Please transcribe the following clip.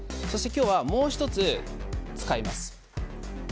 そして今日はもう１つ使います。